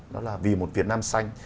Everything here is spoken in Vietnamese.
đó là vì một việt nam xanh